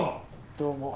どうも。